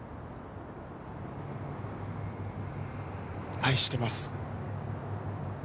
愛してます。